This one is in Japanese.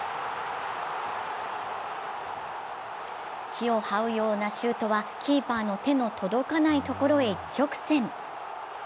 地をはうようなシュートはキーパーの手の届かない所へ一直線。